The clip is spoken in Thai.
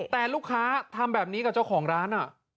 แต่ลูกค้าทำแบบนี้กับเจ้าของร้าน